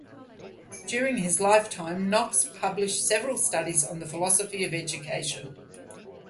During his lifetime, Knox published several studies on the philosophy of education.